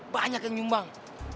banyak yang nyumbang